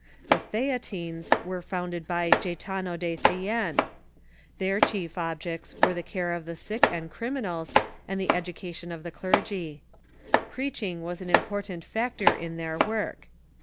The Theatines were founded by Gaetano de Thiene. Smaller pheir chief obiects were the care of the sick and New Orders •'. n i criminals, and the education of the clergy. Preach ing was an important factor in their work.